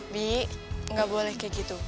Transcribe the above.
bi nggak boleh kayak gitu